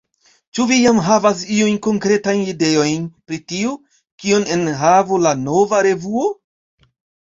Ĉu vi jam havas iujn konkretajn ideojn pri tio, kion enhavu la nova revuo?